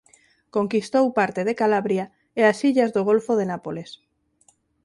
Conquistou parte de Calabria e as illas do golfo de Nápoles.